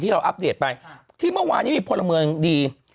เราอัปเดตไปที่เมื่อวานนี้มีพลเมืองดี